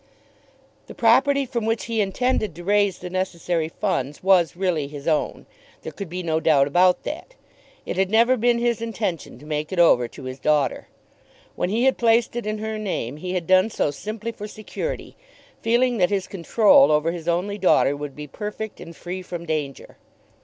The property from which he intended to raise the necessary funds was really his own. There could be no doubt about that. It had never been his intention to make it over to his daughter. When he had placed it in her name, he had done so simply for security, feeling that his control over his only daughter would be perfect and free from danger.